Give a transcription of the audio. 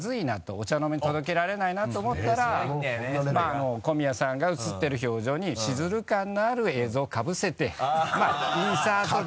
お茶の間に届けられないなと思ったらまぁあの小宮さんが映ってる表情にシズル感のある映像をかぶせてインサートで。